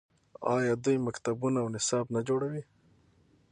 آیا دوی مکتبونه او نصاب نه جوړوي؟